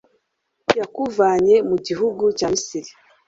yakuvanye mu gihugu cya Misiri